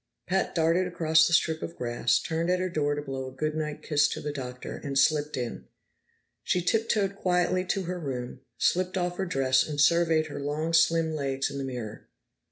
Pat darted across the strip of grass, turned at her door to blow a goodnight kiss to the Doctor, and slipped in. She tiptoed quietly to her room, slipped off her dress, and surveyed her long, slim legs in the mirror.